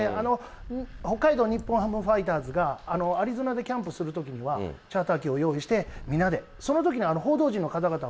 北海道日本ハムファイターズがアリゾナでキャンプするときにはチャーター機を用意して、皆で、一緒に？